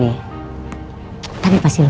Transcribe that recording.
iya gak sih